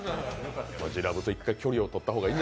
マヂラブと距離を取った方がいい。